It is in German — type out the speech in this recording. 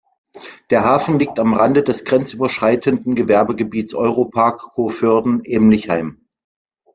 Der Hafen liegt am Rande des grenzüberschreitenden Gewerbegebietes Europark Coevorden-Emlichheim.